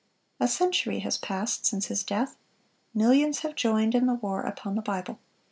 A century has passed since his death. Millions have joined in the war upon the Bible.